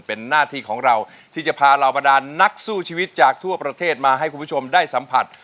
เป็นหน้าที่ของเราที่จะพาเราบรรดานนักสู้ชีวิตจากทั่วประเทศมาให้คุณผู้ชมได้สัมผัส